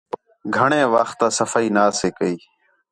گھݨیں وخت آ صفائی نا سے کَئی